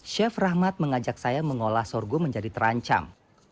chef rahmat mengajak saya mengolah sorghum menjadi terancam